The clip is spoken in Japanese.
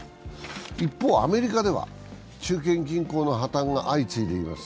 一方、アメリカでは中堅銀行の破綻が相次いでいます。